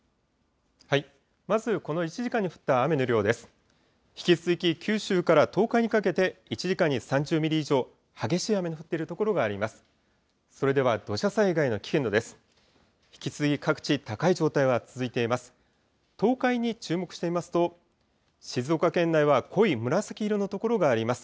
引き続き九州から東海にかけて１時間に３０ミリ以上、激しい雨の降っている所があります。